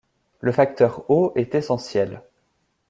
Le facteur eau est essentiel.